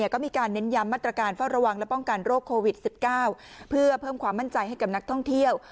ก็มีการเน้นย้ำมาตรการเฝ้าระวังและป้องกันโรคโควิด๑๙เพื่อเพิ่มความมั่นใจให้กับนักท่องเที่ยว